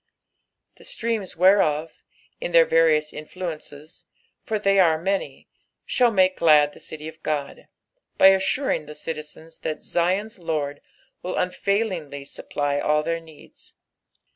" The ttreamt whereof" in their . rsiious influences, for they are many, ''ihali make glad the city of Ood," by assuring the citizens that Zion's Lord will unfailingly supply all their needs.